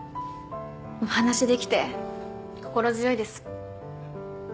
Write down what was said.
お話しできて心強いです。